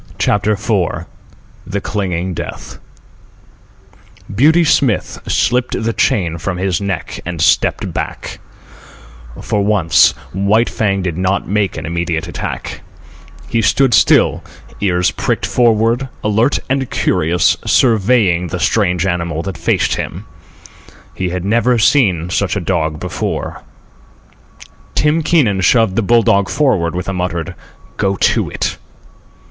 CHAPTER IV THE CLINGING DEATH Beauty Smith slipped the chain from his neck and stepped back. For once White Fang did not make an immediate attack. He stood still, ears pricked forward, alert and curious, surveying the strange animal that faced him. He had never seen such a dog before. Tim Keenan shoved the bull dog forward with a muttered "Go to it."